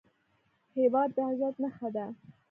هېواد د عزت نښه ده